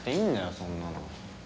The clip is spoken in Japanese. そんなの。